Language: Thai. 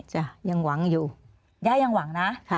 จ้ะยังหวังอยู่ย่ายังหวังนะค่ะ